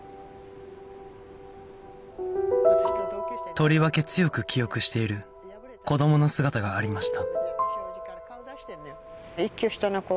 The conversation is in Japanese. とりわけ強く記憶している子どもの姿がありました